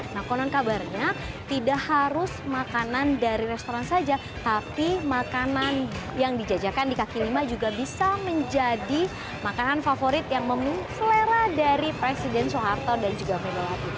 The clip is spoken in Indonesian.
nah konon kabarnya tidak harus makanan dari restoran saja tapi makanan yang dijajakan di kaki lima juga bisa menjadi makanan favorit yang memiliki selera dari presiden soeharto dan juga megawati